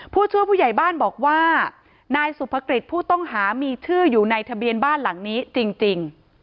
ผู้ช่วยผู้ใหญ่บ้านบอกว่านายสุภกฤษผู้ต้องหามีชื่ออยู่ในทะเบียนบ้านหลังนี้จริง